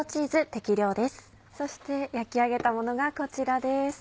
そして焼き上げたものがこちらです。